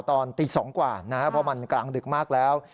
ตอนตี๒กว่านะครับเพราะมันกลางดึกมากแล้ว